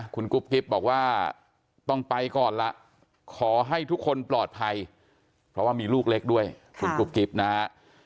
คุณกุ๊บกิ๊บบอกว่าต้องไปก่อนละขอให้ทุกคนปลอดภัยเพราะว่ามีลูกเล็กด้วยคุณกุ๊บกิ๊บนะฮะ